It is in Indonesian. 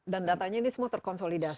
dan datanya ini semua terkonsolidasi